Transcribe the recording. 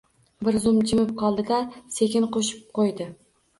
U bir zum jimib qoldi-da, sekin qo‘shib qo‘ydi.